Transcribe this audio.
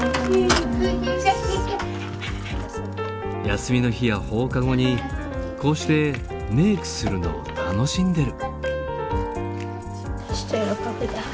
休みの日や放課後にこうしてメークするのを楽しんでる。